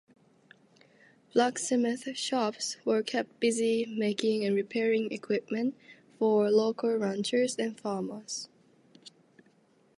Blacksmith shops were kept busy making and repairing equipment for local ranchers and farmers.